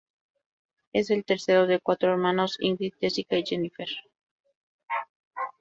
Es el tercero de cuatro hermanos, Ingrid, Jessica y Jennifer.